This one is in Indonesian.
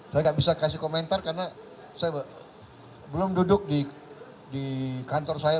saya nggak bisa kasih komentar karena saya belum duduk di kantor saya